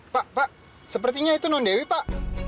pak pak sepertinya itu non dewi pak